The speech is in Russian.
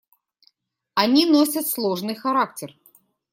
Они носят сложный характер.